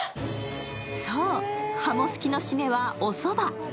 そう、鱧すきの締めは、おそば。